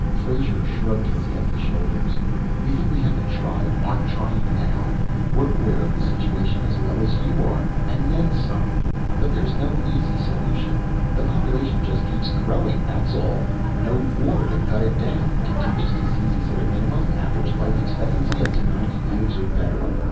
Frazer shrugged his heavy shoulders. "You think we haven't tried, aren't trying now? We're aware of the situation as well as you are and then some. But there's no easy solution. The population just keeps growing, that's all. No war to cut it down, contagious diseases at a minimum, average life expectancy up to ninety years or better.